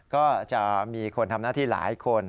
ก็จะมีคนทำหน้าที่หลายคน